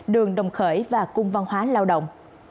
đường đồng khởi và cung văn hóa lao động